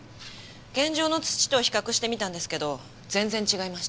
現場の土と比較してみたんですけど全然違いました。